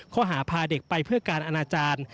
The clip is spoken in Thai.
พาเด็กไปเพื่อการอนาจารย์